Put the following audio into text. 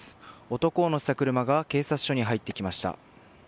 男を乗せた車が警察署に入ってきました。